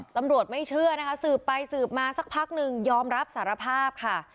ไม่เชื่อนะคะสืบไปสืบมาสักพักนึงยอมรับสารภาพค่ะ